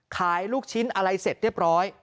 ลูกชิ้นอะไรเสร็จเรียบร้อย